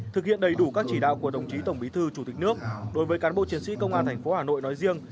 thực hiện đầy đủ các chỉ đạo của đồng chí tổng bí thư chủ tịch nước đối với cán bộ chiến sĩ công an thành phố hà nội nói riêng